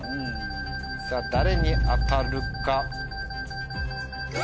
さぁ誰に当たるか。